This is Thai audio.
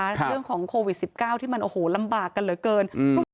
เรื่องของโควิด๑๙ที่มันโอ้โหลำบากกันเหลือเกิน